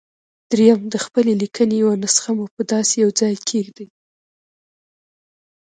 درېيم د خپلې ليکنې يوه نسخه مو په داسې يوه ځای کېږدئ.